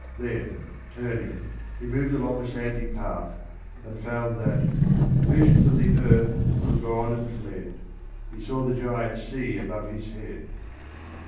Then, turning, he moved along a sandy path and found that — The visions of the earth were gone and fled — He saw the giant sea above his head.